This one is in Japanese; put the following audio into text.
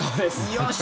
よし！